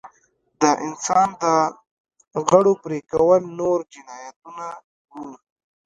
د انسان د غړو پرې کول نور جنایتونه وو.